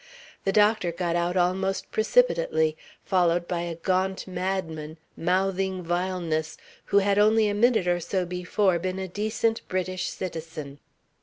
The doctor got out almost precipitately, followed by a gaunt madman, mouthing vileness, who had only a minute or so before been a decent British citizen.